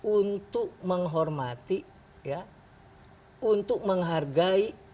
untuk menghormati untuk menghargai